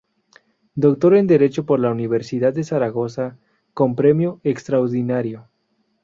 Doctor en Derecho por la Universidad de Zaragoza con premio extraordinario.